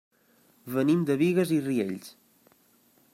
Venim de Bigues i Riells.